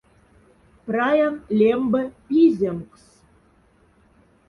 Праян лямбе пиземкс.